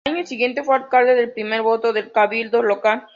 Al año siguiente fue alcalde de primer voto del cabildo local.